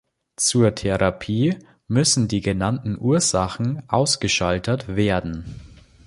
Zur Therapie müssen die genannten Ursachen ausgeschaltet werden.